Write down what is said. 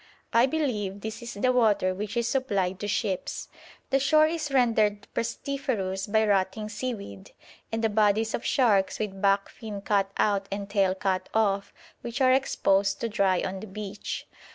I believe this is the water which is supplied to ships. The shore is rendered pestiferous by rotting seaweed, and the bodies of sharks, with back fin cut out and tail cut off, which are exposed to dry on the beach.